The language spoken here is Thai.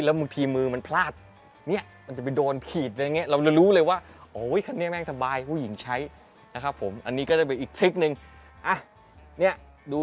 แล้วบางทีมือมันพลาด